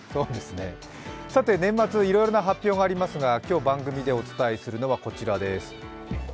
年末いろいろな発表がありますが、今日番組でお伝えするのはこちらです。